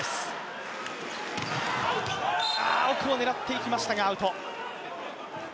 奥を狙っていきましたがアウト。